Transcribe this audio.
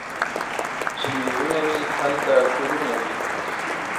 چي مړونه وي ، هلته کورونه وي.